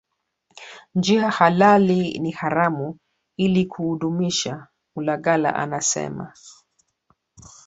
njia halali na haramu ili kuudumisha Malugala anasema